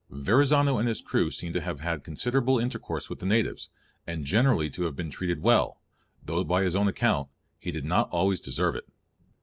Verrazzano and his crew seem to have had considerable intercourse with the natives, and generally to have been treated well, though by his own account he did not always deserve it.